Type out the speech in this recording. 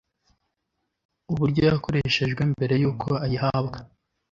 uburyo yakoreshejwe mbere y uko ayihabwa